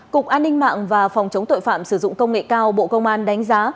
cục an ninh mạng và phòng chống tội phạm sử dụng công nghệ cao bộ công an đánh giá